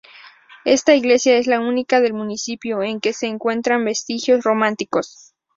Esta iglesia es la única del municipio en que se encuentran vestigios románicos.